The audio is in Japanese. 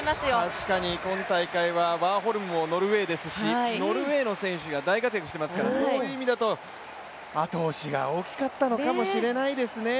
確かに、今大会はワーホルムもノルウェーですしノルウェーの選手が大活躍していますから、そういう意味でも後押しが大きかったのかもしれないですね。